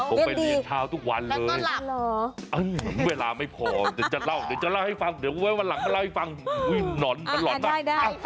ผมไปเรียนเช้าทุกวันเลยเหมือนว่าเวลาไม่พอเดี๋ยวจะเล่าให้ฟังเดี๋ยววันหลังจะเล่าให้ฟังอุ๊ยหนอนมันหล่อนมาก